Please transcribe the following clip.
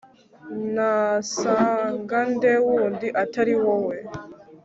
nasanga nde wundi atari wowe